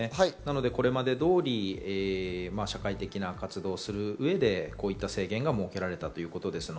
これまで通り、社会的な活動をする上でこういった制限が設けられたということです。